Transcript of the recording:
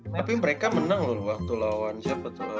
tapi mereka menang loh waktu lawan siapa tuh